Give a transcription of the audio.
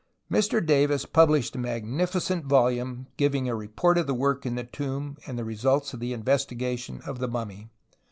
Mr Davis published a magnificent volume giving a report of the work in the tomb and the results of the investigation of the mummy.